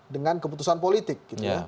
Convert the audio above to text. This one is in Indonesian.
dengan keputusan politik